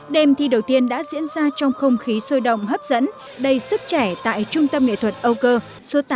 đêm thi đầu tiên đã diễn ra trong không khí sôi động hấp dẫn đầy sức trẻ tại trung tâm nghệ thuật âu cơ số tám